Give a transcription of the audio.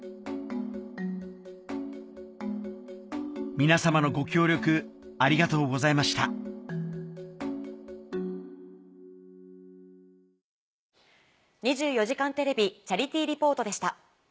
皆さまのご協力ありがとうございました「２４時間テレビチャリティー・リポート」でした。